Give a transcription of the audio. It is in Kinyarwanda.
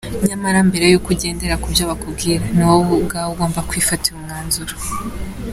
Nyamara mbere yuko ugendera ku byo bakubwira, ni wowe ubwawe ugomba kwifatira umwanzuro.